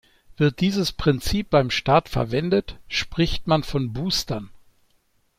Wird dieses Prinzip beim Start verwendet, spricht man von Boostern.